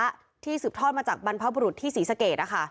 ผีฟ้าที่สืบทอดมาจากบรรพบุรุษที่ศรีสเกต